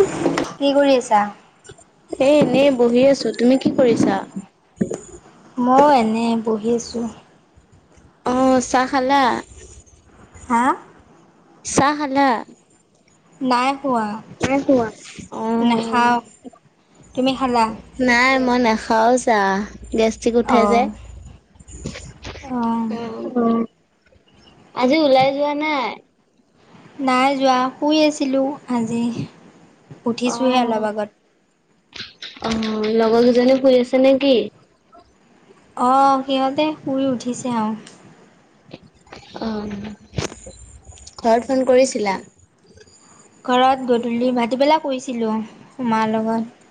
[unintelligible] কি কৰি আছা? এ এনেই বহি আছো তুমি কি কৰিছা? মই এনেই বহি আছোঁ। অঁ চাহ খালা? হা! চাহ খালা? নাই খোৱা নাই খোৱা অ নাখাওঁ তুমি খালা? নাই মই নাখাওঁ চাহ গেছ- গেছতিক উঠে যে অ'। অ', ওম। অঁ আজি ওলাই যোৱা নাই। নাই যোৱা শুই আছিলোঁ আজি উঠিছোঁহে অলপ আগত। অঁ লগৰ কেইজনী শুই আছে নে কি? অঁ সিহঁতে শুই উঠিছে আও। অঁ ঘৰত ফোন কৰিছিলা? ঘৰত গধূলি ভাটিবেলা কৰিছিলোঁ মাৰ লগত।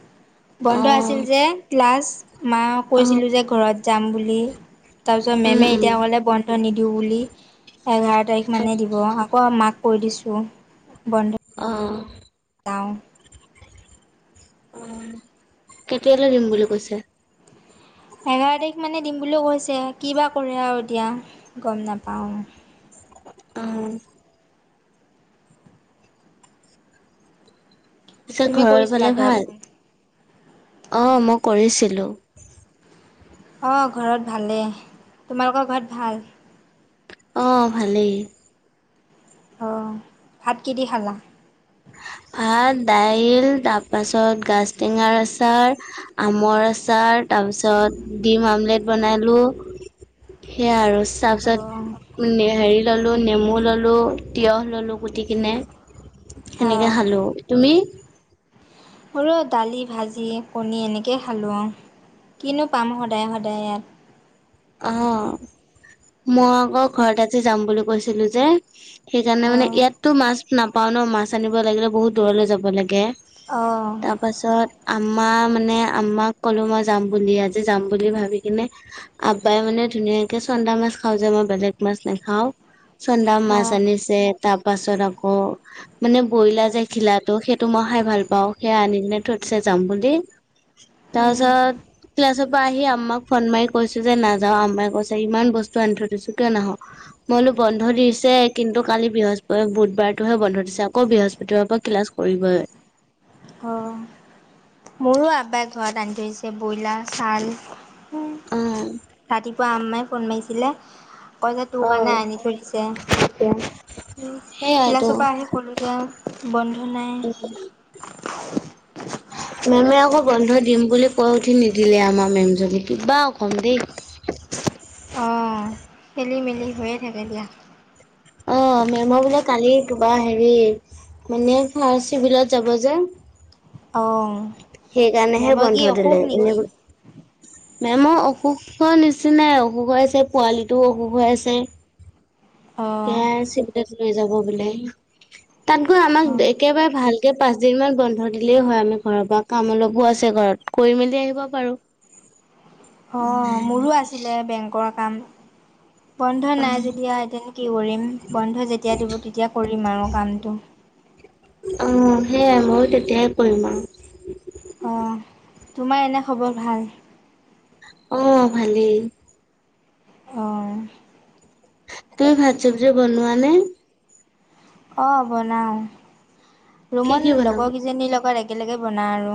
অ বন্ধ আছিল যে ক্লাছ মা অ কৈছিলোঁ যে ঘৰত যাম বুলি। তাৰপিছত উম মেমে উম এতিয়া ক'লে বন্ধ নিদিওঁ বুলি এঘাৰ তাৰিখ মানে দিব। কোৱা মাক কৈ দিছোঁ বন্ধ। অঁ! পাওঁ! ওঁম কেতিয়ালৈ দিম বুলি কৈছে? এঘাৰ তাৰিখ মানে দিম বুলিও কৈছে কি বা কৰে আৰু এতিয়া গম নাপাওঁ। অঁ! পিছে তুমি ঘৰৰ কৰিছিলা ফালে ঘৰত ভাল অঁ মই কৰিছিলো। অঁ ঘৰত ভালেই তোমালোকৰ ঘৰত ভাল। অঁ ভালেই। অঁ ভাত কি দি খালা? ভাত দাইল তাৰ পাছত গাজটেঙাৰ আচাৰ। আমৰ আচাৰ তাৰপিছত ডিম আমলেট বনালোঁ- সেয়া আৰু। অঁ তাৰপিছত হেৰি ল'লোঁ নেমু ল'লোঁ তিঁয়হ ল'লোঁ কুটি কিনে- সেনেকে অঁ খালো তুমি? মোৰো দালি ভাজি কণী এনেকৈ খালোঁ কিনো পাম সদায় সদায় ইয়াত। অঁ মই আকৌ ঘৰত আজি যাম বুলি কৈছিলো যে- সেইকাৰণে মানে অঁ ইয়াতো মাছ নাপাওঁ ন মাছ আনিব লাগিলে বহুত দূৰলৈ যাব লাগে। অঁ! তাৰ পাছত আম্মা মানে আম্মাক ক'লো মই যাম বুলি আজি যাম বুলি ভাবি কিনে- আব্বাই মানে ধুনীয়াকে চন্দা মাছ খাওঁ যে মই বেলেগ মাছ নাখাওঁ। চন্ন্দা মাছ অঁ আ-নিছে তাৰ পাছত আকৌ মানে বইলা যে ঘিলাটো সেইটো মই খাই ভাল পাওঁ সেইয়া আনি কিনে থৈছে যাম বুলি। তাপাছত কিলাচৰ পা আহি আম্ম ফন মাই- কৈছো যে নাযাওঁ আমাই কৈছে ইমান বস্তু আনি থৈ দিছো কিয় নাহ? মই কলোঁ বন্ধ দিছে কিন্তু কালি বৃহস্পতি বুধবাৰতটোহে বন্ধ দিছে আকৌ বৃহস্পতিবাৰ পৰা ক্লাছ- কৰিব। অঁ মোৰো আবাই ঘৰত আনি থৈছে ব্ৰইলাৰ ছাল। অ ৰাতিপুৱা আম্মাই ফোন মাৰিছিলে কয় যে তোৰ কাৰণে অ আনি থৈ দিছে এতিয়া। সেইয়াইতো ক্লাছৰ পৰা আহি কলো যে বন্ধ নাই [inaudible] মেমে আকৌ বন্ধ দিম বুলি কৈ উঠি নিদিলে আমাৰ মেম জনি কিবা ৰকম দেই। অঁ খেলি মেলি হৈয়ে থাকে দিয়া অ মেমৰ বোলে কালি কিবা হেৰি মানে ফাৰ চি বিলত যাব যে অ সেইকাৰণেহে বন্ধ দিলে এনে, নেকি মেমৰ অসুখৰ নিচিনাই অসুখ হৈ আছে পোৱালিটোও অসুখ হৈ আছে। অঁ সেয়াই চিবিলত লৈ যাব বোলে তাত গৈ আমাক অঁ একেবাৰে ভাল এই পাঁচ দিন মান বন্ধ দিলেই হয় আৰু আমি ঘৰৰ পৰা কাম অলপো আছে ঘৰত কৰি মেলি আহিব পাৰো। [unintelligible] অ,,, মোৰো আছিলে বেংকৰ কাম বন্ধ নাই অ'। যদি‌ আৰু এতিয়ানো কি কৰিম বন্ধ যেতিয়া দিব তেতিয়া কৰিম আৰু কামটো। উম সেয়াই ময়ো তেতিয়াই কৰিম আৰু, অ,, তোমাৰ এনে খবৰ ভাল। উম,, ভালেই উম,,,, তুমি ভাত চবজি বনোৱা নে? অঁ বনাওঁ কি কি ৰুমত বনাব লগৰকেইজনীৰ লগত একেলগে বনাওঁ আৰু,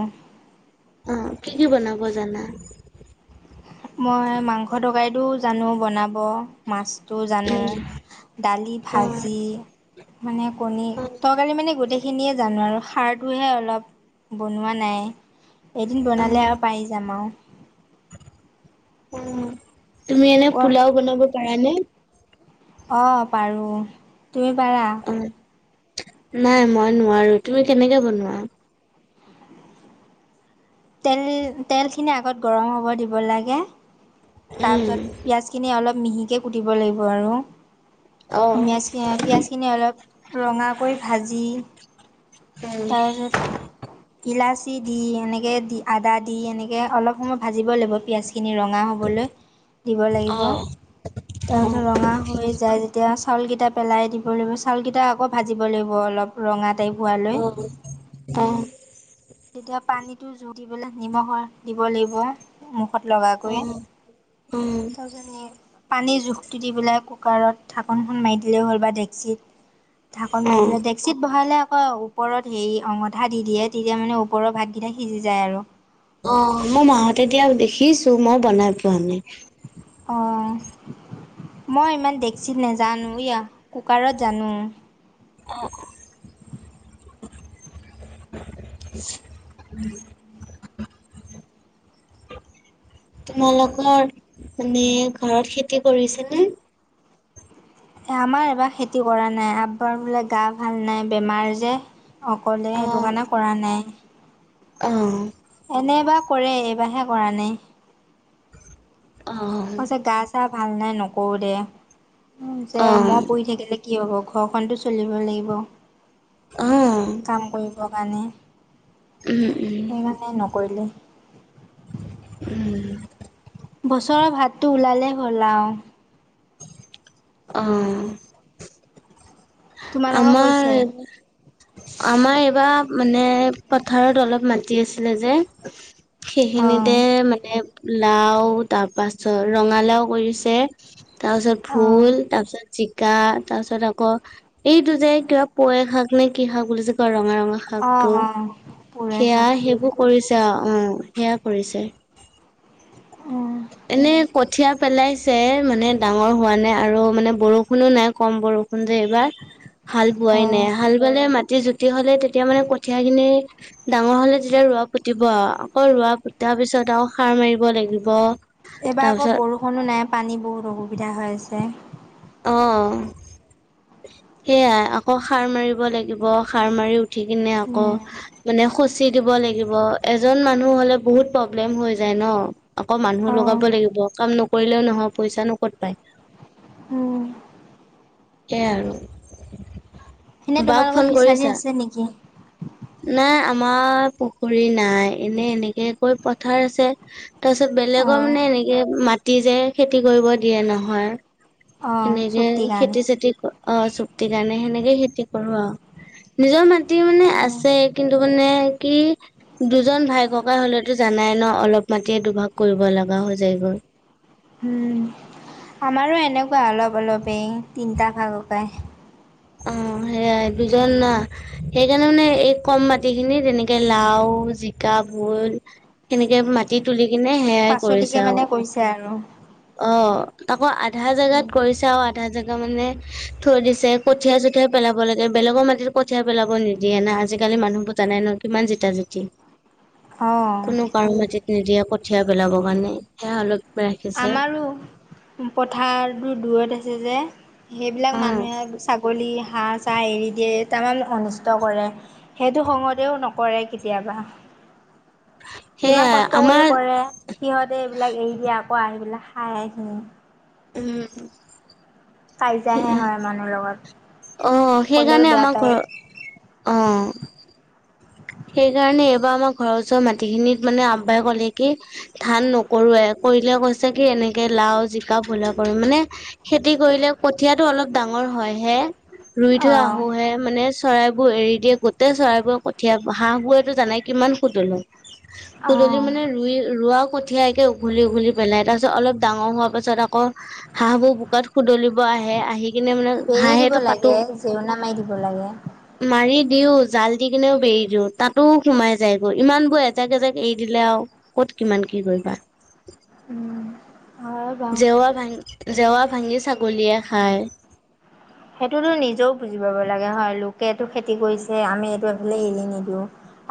অ কি কি বনাব জানা? মই মাংস তৰকাৰীটো জানো বনাব মাছ ত জানো উম, দালি অ', ভাজি মানে কণী অ', তৰকাৰি মানে গোটেই সেইখিনিয়ে জানো আৰু সাৰটোহে অলপ বনোৱা নাই। এদিন বনালে আৰু পাৰি যাম আৰু উম তুমি এনে পোলাও বনাব পাৰা নে‌? অ পাৰো তুমি পাৰা? উম, নাই মই নোৱাৰো তুমি কেনেকে বনোৱা। তেল তেলখিনি আগত গৰম হ'ব দিব তাৰ উম, পিছত পিয়াজ খিনি অলপ মিহিকে কুটিব লাগিব আৰু অ', পিঁয়াজ পিঁয়াজখিনি অলপ ৰঙাকৈ ভাজি, উম, তাৰ পিছত ইলাচি দি এনেকে দি আদা দি এনেকে অলপ সময় ভাজিব লাগিব পিয়াজ খিনি ৰং, ৰঙা হ'বলৈ দিব লাগিব তাৰ অ', পিছত ৰঙা হৈ যাই যেতিয়া চাউলকেইটা পেলাই দিব লাগিব চাউলকেইটা আকৌ ভাজিব লাগিব অলপ ৰঙা টাইপ হোৱাল অ অ তেতিয়া পানীটো জ দি পেলাই নিমখ দিব লাগিব মুখত লগাকৈ অ', অ', থাউজনি পানীৰ জোখটো দি পেলাই কুকাৰত ঢাকোনখন মাৰি দিলেই হ'ল বা দেক্সীত ঢাকোন মাৰি অ'। দিলে ডেক্সিত বহালে আকৌ ওপৰত হেৰি অঙঠা দি দিয়ে তেতিয়া মানে ওপৰৰ ভাতকেইটা সিজি যায় আৰু অ মই মাহতে এতিয়া দেখিছো মই বনাই পোৱা নাই অঁ মই ইমান ডেকচিত নেজানো দিয়া কুকাৰত জানোঁ। অ [inaudible] উম। তোমালোকৰ মানে ঘৰত খেতি কৰিছে নে? আমাৰ এবাৰ খেতি কৰা নাই আবাৰ বোলে গা ভাল নাই বেমাৰ যে অকলে সেইটো কাৰণে কৰা নাই। অহ। এনেবাৰ কৰে এইবাৰহে কৰা নাই। অ', গা চা ভাল নাই নকৰোঁ দে যে মই অ', পুহ থাকিলে। কি হ'ব ঘৰখনতটো চলিব লাগিব অ', কাম কৰিব কাৰণে। উম, উম। সেইকাৰণে নকৰিলে। উম। বছৰৰ ভাতটো ওলালে হ'ল আও। অ'। তোমালোকৰ আমাৰ কৈছে এই আমাৰ এইবাৰ মানে পথাৰত অলপ মাটি আছিলে যে অঁ সেইখিনিতে মানে লাও তাৰ পাছত ৰঙালাও কৰিছে। তাৰপিছত অঁ ভোল তাৰপিছত জিকা তাৰ পিছত আকৌ এইটো যে কিবা পুইশাক নে কি শাক বুলি কয় ৰঙা, ৰঙা শাকটো অ', অ'। সেয়া সেইবোৰ কৰিছে অ', উ সেয়া কৰিছে। অঁ এনেই কঠীয়া পেলাইছে মানে ডাঙৰ হোৱা নাই আৰু মানে বৰষুণো নাই কম বৰষুণ যে এইবাৰ। হাল বোৱাই অঁ নাই হাল বালে মাটি জুতি হ'লে তেতিয়া মানে কঠিয়া খিনি ডাঙৰ হ'লে তেতিয়া ৰোৱা পুতিব আকৌ ৰোৱা পুতাৰ পিছত আকৌ সাৰ মাৰিব লাগিব। এইবাৰ আকৌ তাৰপিছত বৰষুণো নাই পানী বহুত অসুবিধা হৈ আছে। অ', সেইয়াই আকৌ সাৰ মাৰিব লাগিব সাৰ মাৰি উঠ উঠি কিনে আকৌ উম, মানে খচি দিব লাগিব এজন মানুহ হ'লে বহুত প্ৰব্লেম হৈ যায় ন। আকৌ মানুহ অ', লগাব লাগিব কাম নকৰিলেও নহয় পইচা নো ক'ত পায়। উম। সেয়াই আৰু। এনেই বাক তোমালোকৰ ফোন ফিছাৰী কৰিছা? আছে নেকি। নাই আমাৰ পুখুৰী নাই এনে এনেকে কৈ পথাৰ আছে। তাৰপিছত বেলেগৰ অ', মানে এনেকে মাটি যে খেতি কৰিব দিয়ে নহয়। অ', চুক্তি এনেকে কাৰণে। খেতি কৰো অ', চুক্তি কাৰণে সেনেকে খেতি কৰো অ', নিজৰ মাতি মানে অ', আছে কিন্তু মানে কি দুজন ভাই ককাই হ'লে টো জানাই ন অলপ মাতিয়ে দুভাগ কৰিব লগা হৈ যায় গৈ। উম, আমাৰো এনেকুৱা অলপ, অলপ এই তিনিটা ককাই অ', সেইয়াই দুজন সেইকাৰণে মানে এই কম মাটি খিনি তেনেকে লাও জিকা ভোল সেনেকে মাটি তুলি কিনে সেয়াই কৰিছে আৰু। সেয়াই আৰু। অ', আকৌ আধা জেগাত কৰিছে আৰু আধা জেগা মানে থৈ দিছে কঠীয়া চঠিয়া পেলাব লাগে বেলেগৰ মাটিত কঠিয়া পেলাব নিদিয়ে না আজিকালি মানুহবোৰ জানে ন' কিমান জিতা জিতি অ', তাৰ মাটিত নিদিয়ে কঠীয়া পেলাবৰ কাৰণে সেয়া অলপ ৰাখিছে আমাৰো পথাৰটো দূৰত আছে যে সেইবিলাক অ মানুহে ছাগলী সাজ এৰি দিয়ে তাৰান অনিষ্ট কৰে সেইটো খঙতেও নকৰে কেতিয়াবা। কিমান সেয়াই কষ্ট কৰি আমাৰ কৰে সিহঁতে এইবিলাক এৰি দিয়ে আকৌ আহি পেলাই খাই সি উম, কাইজিয়া হে হয় মানুহ লগত। অ', ক'লেও সেইকাৰণে বেয়া আমাৰ পায় ঘৰত সেইকাৰণে এইবাৰ আমাৰ ঘৰৰ ওচৰ মাটি খিনিত মানে আব্বাই ক'লে কি ধান নকৰোৱে কৰিলে কৈছে কি এনেকে লাও, জিকা, ভোলে কৰিম মানে খেতি কৰিলে কঠিয়াটো অলপ ডাঙৰ হয় হে ৰুই থৈ অঁ আহোঁহে মানে চৰাইবোৰ এৰি দিয়ে গোটেই চৰাইবোৰ কঠীয়া হাঁহ বুৰেতো জানাই কিমান সুতলো সুতলি অঁ মানে ৰুই ৰোৱা ক ঠিয়াইকে উঘলি উঘলি পেলাই তাৰ পিছত অলপ ডাঙৰ হোৱা পাছত আকৌ হাঁহবোৰ কাত শুদলিব আহে আহি কিনে মানে বেৰি দিব হাঁহেটো পাতো লাগে জেউনা মাৰি দিব লাগে মাৰি দিও জাল দি কিনেও এৰি দিও তাতো সোমাই যায়গৈ ইমান বোৰ এজাক এজাক এৰি দিলে আৰু ক'ত কিমান কি কৰিবা? উম, হয় বাৰু জেওৰা ভাঙি, জেওৰা ভাঙি ছাগলীয়ে খায়। সেইটোতো নিজেও বুজি পাব লাগে হয় লোকে এইটো খেতি কৰিছে আমি এইটো বোলে এৰি নিদিওঁ,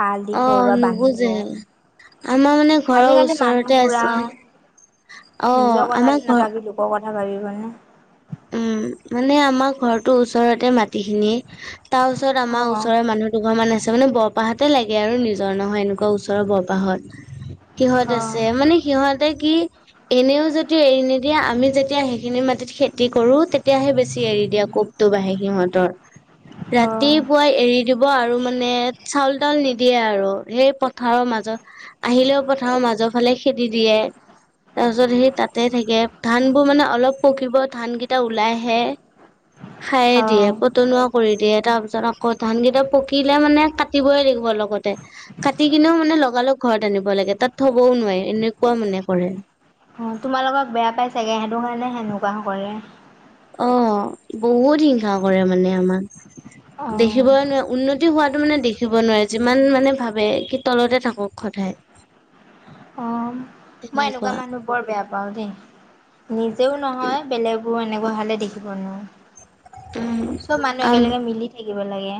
এৰাল দি অ থওঁ বা বান্ধি নুবুজে থওঁ। আমাৰ মানে ঘৰৰ আজিকালি মানুহ ওচৰতে বোৰ আছে আৰু, অ নিজৰ আমাৰ কথাটো ঘৰ নাভাবিলো লোকৰ কথা ভাবিবনে? উম, মানে আমাৰ ঘৰটোৰ ওচৰতে মাটিখিনি, তাৰ ওচৰত অঁ আমাৰ ওচৰৰ মানুহ দুঘৰ মান আছে, মানে বৰপাহতে লাগে আৰু নিজৰ নহয় এন ওচৰৰ বৰপাহত, সিহঁত আছে, মানে সিহঁত তে কি এনেও যদি এৰি নিদিয়ে আমি যেতিয়া সেইখিনি মাটিত খে কি কৰো তেতিয়াহে বেছি এৰি দিয়ে কোবটো বাঢ়ে সিহঁতৰ, অঁ অঁ ৰাতিপুৱাই এৰি দিব আৰু মানে চাউল তাউল নিদিয়ে আৰু সেই পথাৰৰ মাজত আহিলেও পথাৰৰ মাজৰ ফালে খেদি দিয়ে। তাৰপিছত সেই তাতে থাকে, ধান বোৰ মানে অলপ পকিব ধান কেইটা ওলাইহে, খাই অঁ দিয়ে পতনুৱাক কৰি দিয়ে, তাৰ পিছত আকৌ ধানকেইটা পকিলে মানে কাটিবই লাগিব লগতে। কাটি কিনেও মানে লগালগ ঘৰত আনিব লাগে তাত থবও নোৱাৰি, এনেকুৱা মানে কৰে। অ', তোমালোকক বেয়া পাই চাগে সেইটো কাৰণে সেনেকুৱা কৰে। অ', বহুত হিংসা কৰে মানে আমাক, অঁ দেখিবই নোৱা উন্নত তি হোৱাটো মানে দেখিব নোৱাৰে যিমান মানে ভাবে কি তলতে থাকক সদায়। অ', মই এনেকুৱা তেনেকুৱা মানুহ বৰ বেয়া পাওঁ দেই, নিজেও নহয় বেলেগবোৰ এনেকুৱা হলে দেখিব নোৱাৰোঁ। চব মানুহ উম একেলগে মিলি থাকিব লাগে।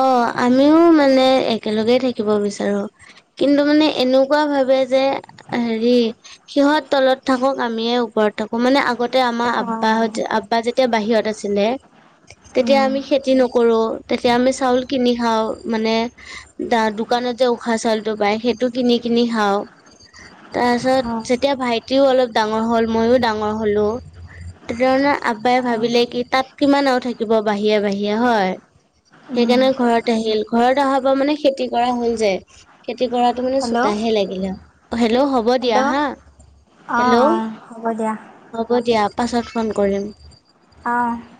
অ', আমিও মানে একেলগেই থাকিব বিচাৰো। কিন্তু মানে এনেকুৱা ভাবে যে, হেৰি সিহঁত তলত থাকক আমিয়ে ওপৰত থাকো মানে আগত তে আমাৰ আব্বাহ অঁ আব্বা যেতিয়া বাহিৰত আছিলে, তেতিয়া আমি খেতি নকৰো। তেতিয়া আমি চাউল কিনি খাওঁ মানে দা দোকানতে উখুৱা চাউলটো পায় সেইটো কিনি কিনি খাওঁ। তাৰ পাছত অঁ যেতিয়া ভাইটিও অলপ ডাঙৰ হ'ল মইও ডাঙৰ হলো। তেতিয়া মানে আব্বাই ভাবিলে অঁ কি তাত কিমান আৰু থাকিব বাহিৰে বাহিৰে হয়। সেইকাৰণে ঘৰত আহিল ঘৰত অহাৰ পৰা মানে খেতি কৰা হল যে। খেতি কৰাটো মানে হেল্ল' চোতাহে লাগিলে আও হেল্ল হ'ব দিয়া হা। অ' হেল্ল' অ হ'ব দিয়া। হ'ব দিয়া পাছত ফোন কৰিম। অ